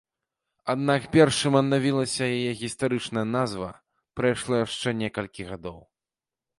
Аднак перш чым аднавілася яе гістарычная назва прайшло яшчэ некалькі гадоў.